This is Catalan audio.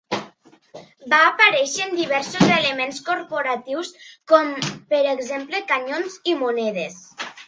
Va aparèixer en diversos elements corporatius, com per exemple canyons i monedes.